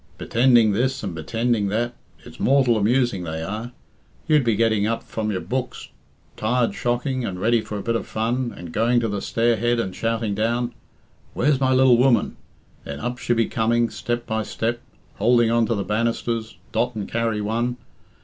Bittending this and bittending that it's mortal amusing they are. You'd be getting up from your books, tired shocking, and ready for a bit of fun, and going to the stair head and shouting down, 'Where's my lil woman?' Then up she'd be coming, step by step, houlding on to the bannisters, dot and carry one.